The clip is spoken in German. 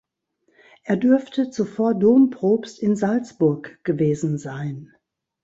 Er dürfte zuvor Dompropst in Salzburg gewesen sein.